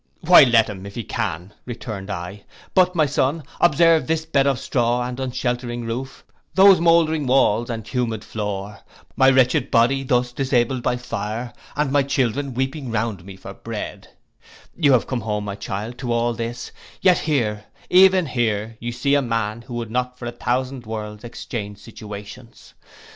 'Why let him if he can,' returned I: 'but, my son, observe this bed of straw, and unsheltering roof; those mouldering walls, and humid floor; my wretched body thus disabled by fire, and my children weeping round me for bread; you have come home, my child, to all this, yet here, even here, you see a man that would not for a thousand worlds exchange situations.